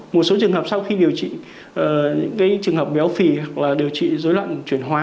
một số trường hợp sau khi điều trị những trường hợp béo phì hoặc là điều trị dối loạn chuyển hóa